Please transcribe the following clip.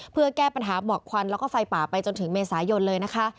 เพื่อแก้ปัญหาหมอกควันแล้วก็ไฟป่าไปจนถึงเมษายนเลยนะคะ